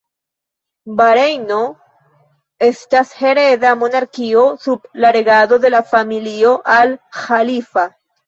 Barejno estas hereda monarkio sub la regado de la familio Al Ĥalifa.